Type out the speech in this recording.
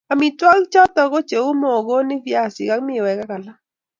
Amitwogik choto ko cheu muhogoinik viasik ak miwek ak alak